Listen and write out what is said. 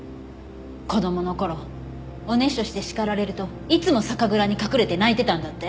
子供の頃おねしょして叱られるといつも酒蔵に隠れて泣いてたんだって？